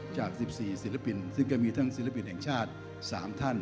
จาก๑๔ศิลปินซึ่งก็มีทั้งศิลปินแห่งชาติ๓ท่าน